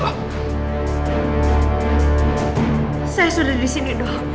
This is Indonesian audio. saya sudah di sini dong